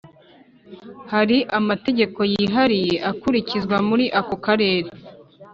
hari amategeko yihariye akurikizwa muri ako karere